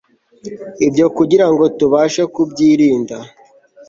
ibyo kugirango tubashe kubyirinda